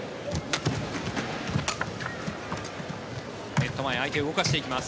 ネット前相手を動かしていきます。